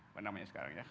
mana namanya sekarang ya